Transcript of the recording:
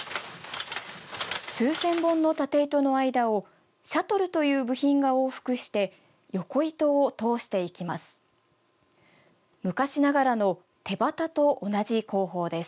数千本の縦糸の間をシャトルという部品が往復して横糸を通していきます。